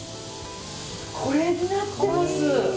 これになってます。